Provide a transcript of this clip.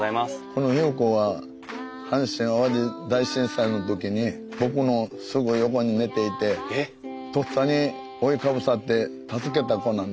この優子は阪神・淡路大震災の時に僕のすぐ横に寝ていてとっさに覆いかぶさって助けた子なんです。